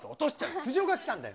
苦情が来たんだよ。